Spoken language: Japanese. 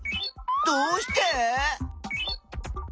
どうして！？